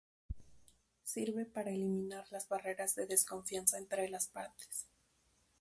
Sirve para eliminar las barreras de desconfianza entre las partes.